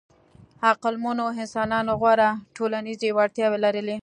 عقلمنو انسانانو غوره ټولنیزې وړتیاوې لرلې.